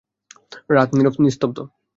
রাত নীরব নিস্তব্ধ।